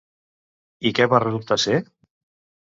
I què va resultar ser?